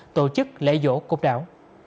tổ chức lễ dỗ công đảo